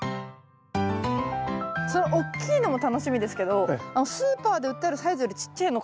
その大きいのも楽しみですけどスーパーで売ってるサイズよりちっちゃいのを見たことがないから。